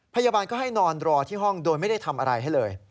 พยาบาลก็ให้นอนรอที่ห้องโดยไม่ได้ทำอะไรให้เลย